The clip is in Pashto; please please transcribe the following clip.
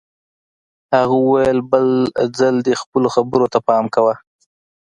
هغه وویل بل ځل دې خپلو خبرو ته پام کوه